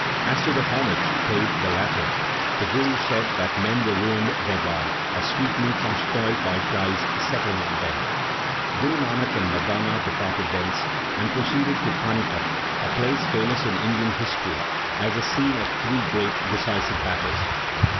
As to the homage paid the latter, the Guru said that men were ruined thereby, as sweetmeats are spoiled by flies settling on them. Guru Nanak and Mardana departed thence, and proceeded to Panipat, a place famous in Indian history as the scene of three great decisive battles.